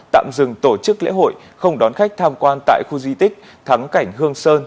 tạm dừng tổ chức lễ hội không đón khách tham quan tại khu di tích thắng cảnh hương sơn